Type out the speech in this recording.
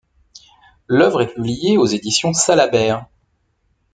L'œuvre est publiée aux Éditions Salabert.